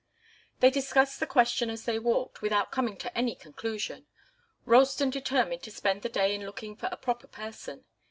They discussed the question as they walked, without coming to any conclusion. Ralston determined to spend the day in looking for a proper person.